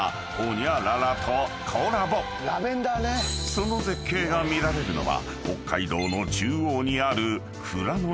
［その絶景が見られるのは北海道の中央にある］